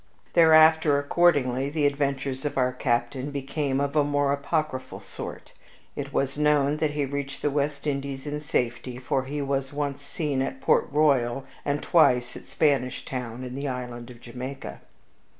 Thereafter, accordingly, the adventures of our captain became of a more apocryphal sort. It was known that he reached the West Indies in safety, for he was once seen at Port Royal and twice at Spanish Town, in the island of Jamaica.